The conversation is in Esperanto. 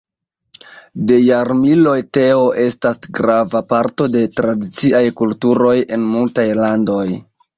De jarmiloj teo estas grava parto de tradiciaj kulturoj en multaj landoj.